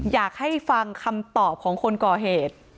อยากให้ฟังคำตอบของคนก่อเหตุ